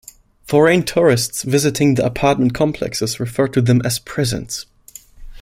Foreign tourists visiting the apartment complexes referred to them as "prisons".